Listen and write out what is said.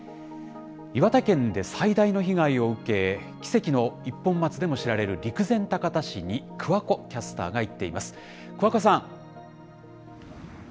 岩手県で最大の被害を受け、奇跡の一本松でも知られる陸前高田市に桑子キャスターが行っています。